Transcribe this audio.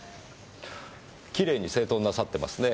きれいに整頓なさってますね。